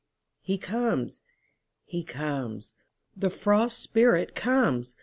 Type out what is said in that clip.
He comes, he comes, the Frost Spirit comes!